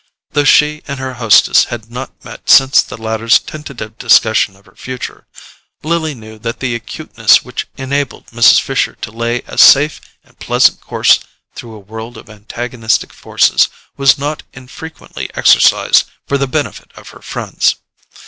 Though she and her hostess had not met since the latter's tentative discussion of her future, Lily knew that the acuteness which enabled Mrs. Fisher to lay a safe and pleasant course through a world of antagonistic forces was not infrequently exercised for the benefit of her friends.